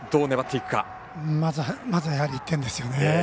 まずやはり１点ですよね。